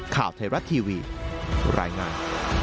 ข่าวไทยรัฐทีวีรายงาน